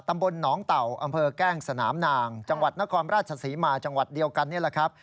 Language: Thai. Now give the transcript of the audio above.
อำเภอแก้งสนามนางจังหวัดนครราชศรีมาจังหวัดเดียวกันนี่แหละครับ